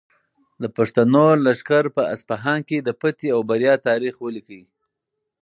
د پښتنو لښکر په اصفهان کې د فتحې او بریا تاریخ ولیکه.